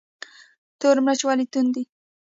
تور مرچ ولې توند دي؟